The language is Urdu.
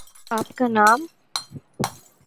آپ کا نام؟